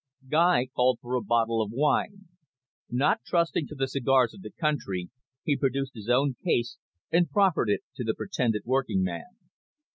Guy called for a bottle of wine. Not trusting to the cigars of the country, he produced his own case, and proffered it to the pretended working man.